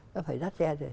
đã phải dắt xe rồi